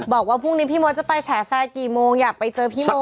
บอกว่าพรุ่งนี้พี่มดจะไปแฉแฟร์กี่โมงอยากไปเจอพี่โม